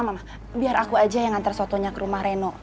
mama biar aku aja yang ngantar sotonya ke rumah reno